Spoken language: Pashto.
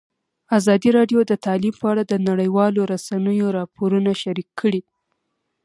ازادي راډیو د تعلیم په اړه د نړیوالو رسنیو راپورونه شریک کړي.